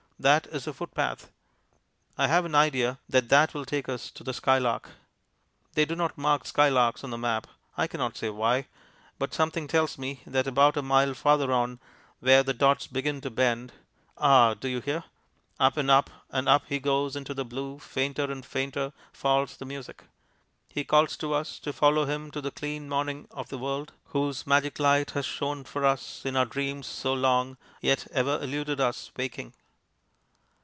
That is a footpath. I have an idea that that will take us to the skylark. They do not mark skylarks on the map I cannot say why but something tells me that about a mile farther on, where the dots begin to bend.... Ah, do you hear? Up and up and up he goes into the blue, fainter and fainter falls the music. He calls to us to follow him to the clean morning of the world, whose magic light has shone for us in our dreams so long, yet ever eluded us waking.